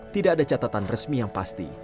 tidak ada catatan resmi yang pasti